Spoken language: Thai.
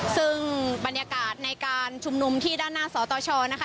ซึ่งบรรยากาศในการชุมนุมที่ด้านหน้าสตชนะคะ